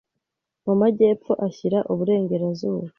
Mu majyepfo ashyira uburengerazuba,